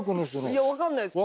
いや分かんないです。